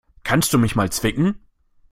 Kannst du mich mal zwicken?